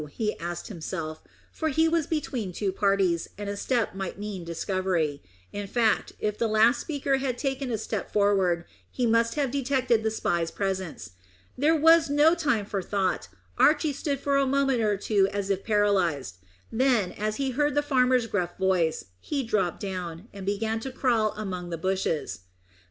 he asked himself, for he was between two parties, and a step might mean discovery. In fact, if the last speaker had taken a step forward, he must have detected the spy's presence. There was no time for thought Archy stood for a moment or two as if paralysed; then, as he heard the farmer's gruff voice, he dropped down, and began to crawl among the bushes.